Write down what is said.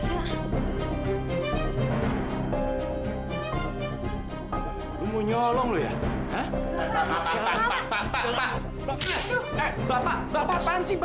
apa kamu episode ini tahu mau cari pisah nadil